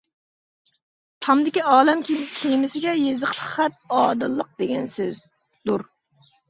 تامدىكى ئالەم كېمىسىگە يېزىقلىق خەت «ئادىللىق» دېگەن سۆزدۇر.